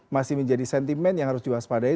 masih menjadi sentimen yang harus diwaspadai